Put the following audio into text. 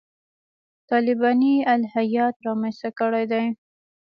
طالباني الهیات رامنځته کړي دي.